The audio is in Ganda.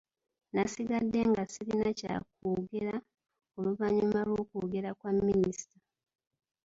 Nasigadde nga sirina kya kwogera oluvannyuma lw'okwogera kwa minisita.